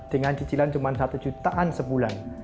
dengan cicilan cuma satu jutaan sebulan